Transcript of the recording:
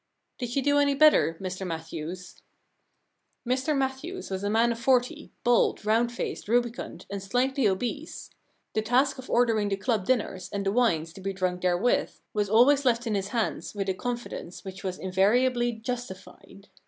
* Did you do any better, Mr Matthews ?* Mr Matthews was a man of forty, bald, round faced, rubicund, and slightly obese. The task of ordering the club dinners and the wines to be drunk therewith was always left in his hands with a confidence which was invariably justified.